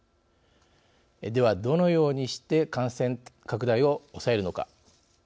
では、どのようにして感染拡大を抑えるのか。